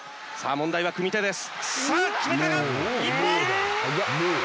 問題は組み手です。